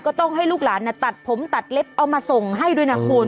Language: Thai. ต้องให้ลูกหลานตัดผมตัดเล็บเอามาส่งให้ด้วยนะคุณ